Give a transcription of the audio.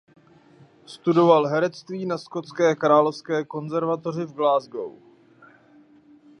Studoval herectví na Skotské královské konzervatoři v Glasgow.